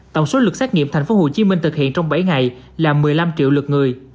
tổng số lực xét nghiệm tp hcm thực hiện trong bảy ngày là một mươi năm triệu lực người